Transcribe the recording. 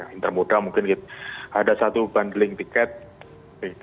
inter moda mungkin ada satu bundling tiket